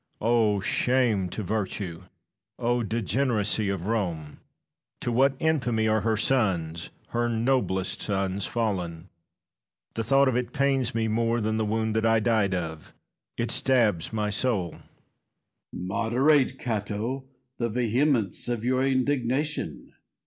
Oh, shame to virtue! Oh, degeneracy of Rome! To what infamy are her sons, her noblest sons, fallen. The thought of it pains me more than the wound that I died of; it stabs my soul. Messalla. Moderate, Cato, the vehemence of your indignation.